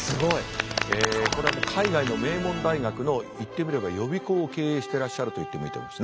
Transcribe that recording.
これは海外の名門大学の言ってみれば予備校を経営してらっしゃると言ってもいいと思いますね。